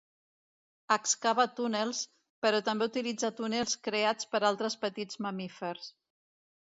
Excava túnels, però també utilitza túnels creats per altres petits mamífers.